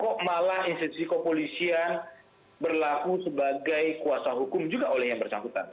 kok malah institusi kepolisian berlaku sebagai kuasa hukum juga oleh yang bersangkutan